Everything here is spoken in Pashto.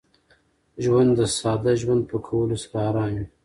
ژوند د ساده ژوند په کولو سره ارام وي.